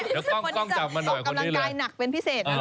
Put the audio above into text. เดี๋ยวกล้องกล้องจับมาหน่อยคนนี้เลยออกกำลังกายหนักเป็นพิเศษตรงนั้น